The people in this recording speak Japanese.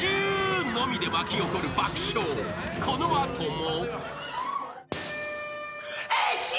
［この後も］